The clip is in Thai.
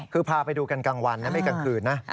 คือพาไปดูกันกลางวันนะไม่กลางคืนนะ